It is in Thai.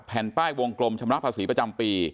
แผ่นป้ายวงกลมชำระภาษีประจำปี